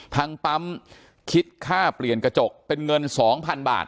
ทางปั๊มคิดค่าเปลี่ยนกระจกเป็นเงิน๒๐๐๐บาท